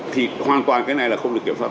thì hoàn toàn cái này là không được kiểm soát giá